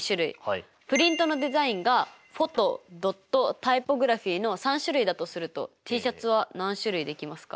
プリントのデザインがフォトドットタイポグラフィの３種類だとするとＴシャツは何種類できますか？